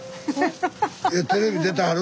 テレビ出てはる？